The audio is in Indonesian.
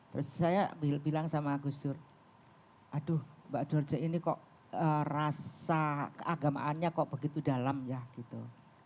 terus saya bilang sama gus dur aduh mbak george ini kok rasa keagamaannya kok begitu dalam ya gitu